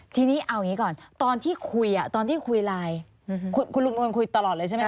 ทีนี้เอาอย่างนี้ก่อนตอนที่คุยตอนที่คุยไลน์คุณลุงเป็นคนคุยตลอดเลยใช่ไหมค